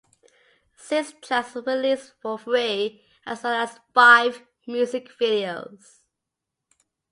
Six tracks were released for free as well as five music videos.